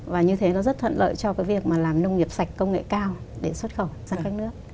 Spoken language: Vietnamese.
và như thế nó rất thận lợi cho việc làm nông nghiệp sạch công nghệ cao để xuất khẩu sang các nước